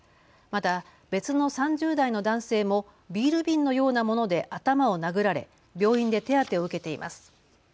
また、別の３０代の男性もビール瓶のようなもので頭を殴られ病院で手当てを受けています。